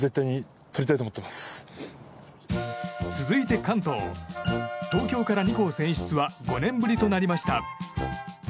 続いて関東東京から２校選出は５年ぶりとなりました。